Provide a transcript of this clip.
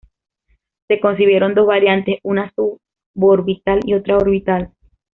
Se concibieron dos variantes, una suborbital y otra orbital.